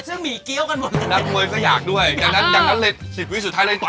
ช่วงหน้านะคะเราจะพูดถึงจ้ะ